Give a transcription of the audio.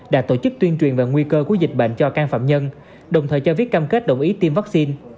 đã tổ chức tuyên truyền về nguy cơ của dịch bệnh cho căn phạm nhân đồng thời cho viết cam kết đồng ý tiêm vaccine